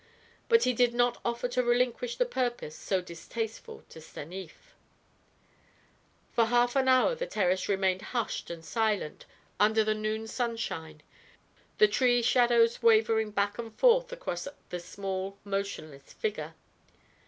But he did not offer to relinquish the purpose so distasteful to Stanief. For half an hour the terrace remained hushed and silent under the noon sunshine, the tree shadows wavering back and forth across the small, motionless figure.